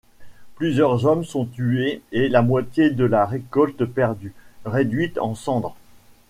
Plusieurs hommes sont tués et la moitié de la récolte perdue, réduite en cendres.